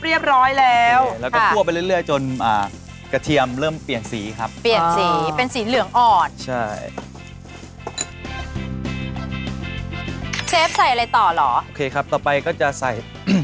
เราชอบมากเลยอะกระเทียมเนี่ย